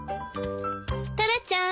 タラちゃん